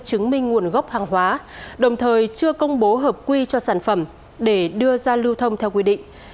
chứng minh nguồn gốc hàng hóa đồng thời chưa công bố hợp quy cho sản phẩm để đưa ra lưu thông theo quy định